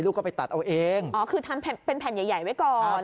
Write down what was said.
ลูกก็ไปตัดเอาเองอ๋อคือทำแผ่นเป็นแย่ใหญ่ไว้ก่อน